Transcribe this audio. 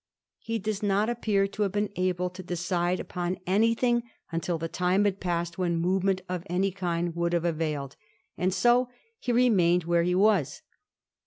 He does not appear to have been able to decide upon anything until the time had passed when movement of any kind would have availed, and so he remained where he was.